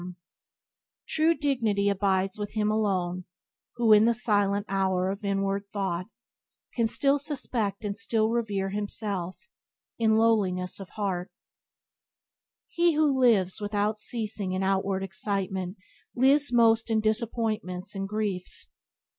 Byways to Blessedness by James Allen 57 "True dignity abides with him alone, Who, in the silent hour of inward thought, Can still suspect and still revere himself In lowliness of heart." He who lives, without ceasing in outward excitement lives most in disappointments and griefs.